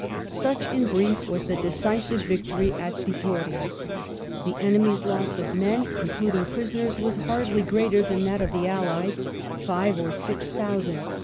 Such, in brie^ was the decisive yictory at Yittoria. The enemy's loss of men, inclnding prisoners, was hardly greater than that of the Allies — ^flve or six thousand.